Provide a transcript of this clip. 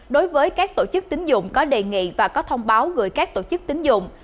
đối với các tổ chức tính dụng có đề nghị và có thông báo gửi các tổ chức tính dụng